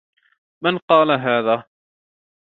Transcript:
من قال هذا؟